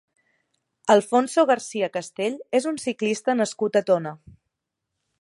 Alfonso García Castell és un ciclista nascut a Tona.